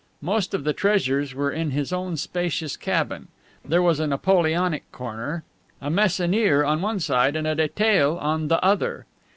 Most of the treasures were in his own spacious cabin. There was a Napoleonic corner a Meissonier on one side and a Detaille on the other.